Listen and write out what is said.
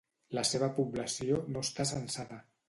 La seva població no està censada.